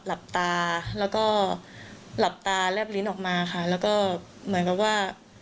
หลับตาแล้วก็หลับตาแลบลิ้นออกมาค่ะแล้วก็เหมือนกับว่า